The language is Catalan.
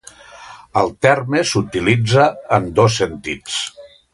El terme s'utilitza en dos sentits.